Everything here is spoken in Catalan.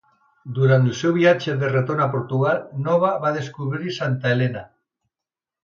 Durant el seu viatge de retorn a Portugal, Nova va descobrir Santa Helena.